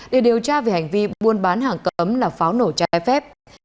để điều tra về hành vi buôn bán hàng cấm là pháo nổ trái phép